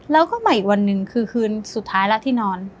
แล้วก็มาอีกวันหนึ่งคือคืนสุดท้ายแล้วที่นอน